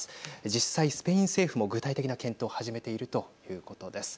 実際、スペイン政府も具体的な検討を始めているということです。